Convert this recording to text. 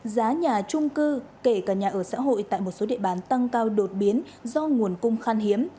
giá nhà trung cư kể cả nhà ở xã hội tại một số địa bàn tăng cao đột biến do nguồn cung khan hiếm